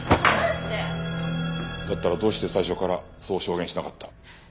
だったらどうして最初からそう証言しなかった？